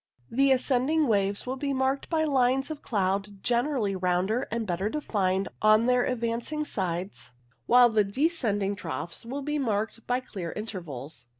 The ascending waves will be marked by lines of cloud generally rounder and better defined on their advancing sides, while the descending troughs will be marked by clear intervals.